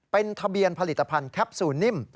เป็นทะเบียนผลิตภัณฑ์แคปซูลนิ่ม